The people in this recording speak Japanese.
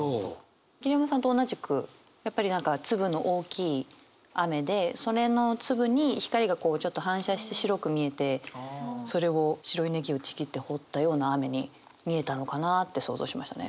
桐山さんと同じくやっぱり何か粒の大きい雨でそれの粒に光がこうちょっと反射して白く見えてそれを白い葱をちぎって放ったような雨に見えたのかなって想像しましたね。